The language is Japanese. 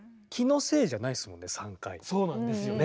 何かそうなんですよね。